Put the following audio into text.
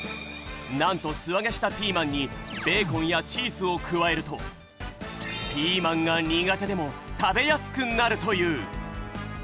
なんとすあげしたピーマンにベーコンやチーズを加えるとピーマンが苦手でも食べやすくなるという！